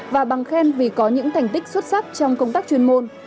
và bằng khen vì có những thành tích xuất sắc trong công tác chuyên môn